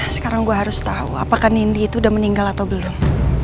sekarang gue harus tau apakah nindy itu adalah penggal atau belum